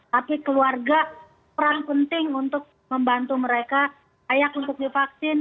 tapi keluarga peran penting untuk membantu mereka layak untuk divaksin